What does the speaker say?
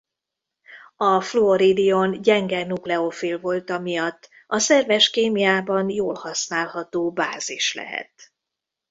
A fluoridion gyenge nukleofil volta miatt a szerves kémiában jól használható bázis lehet.